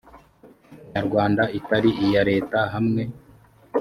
nyarwanda itari iya leta hamwe